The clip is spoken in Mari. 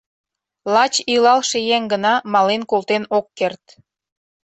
лач илалше еҥ гына мален колтен ок керт.